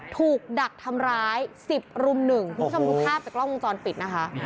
ดักทำร้าย๑๐รุ่ม๑คุณผู้ชมดูภาพจากกล้องวงจรปิดนะคะ